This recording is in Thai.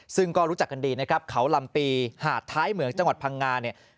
ซึ่งก็รู้จักกันดีนะครับเขาลำปีหาดท้ายเหมืองจังหวัดพังงาเนี่ย